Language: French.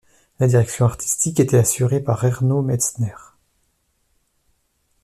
La direction artistique était assurée par Ernő Metzner.